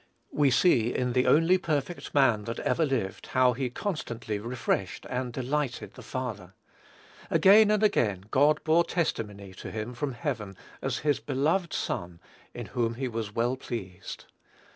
We see in the only perfect man that ever lived how he constantly refreshed and delighted the Father. Again and again God bore testimony to him from heaven, as his "beloved Son, in whom he was well pleased."